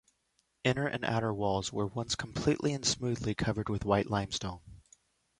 Inner and outer walls were once completely and smoothly covered with white limestone.